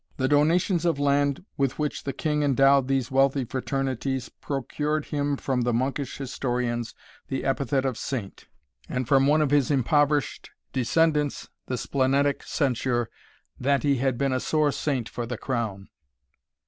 The donations of land with which the King endowed these wealthy fraternities procured him from the Monkish historians the epithet of Saint, and from one of his impoverished descendants the splenetic censure, "that he had been a sore saint for the Crown."